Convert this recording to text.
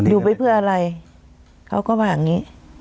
อยู่ไปเพื่ออะไรเขาก็ว่าอย่างนี้